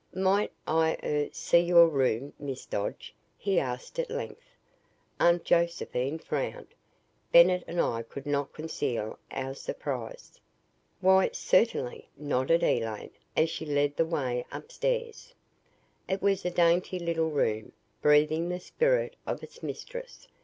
"Might I er see your room, Miss Dodge?" he asked at length. Aunt Josephine frowned. Bennett and I could not conceal our surprise. "Why, certainly," nodded Elaine, as she led the way upstairs. It was a dainty little room, breathing the spirit of its mistress.